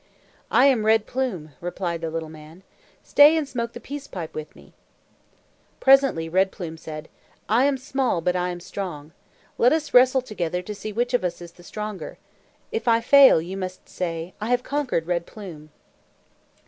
"I am Red Plume," replied the little man. "Stay and smoke the peace pipe with me." Presently Red Plume said, "I am small, but I am strong. Let us wrestle together, to see which of us is the stronger. If I fall, you must say, 'I have conquered Red Plume.'"